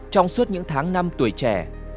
trong suốt những tháng năm tuổi trẻ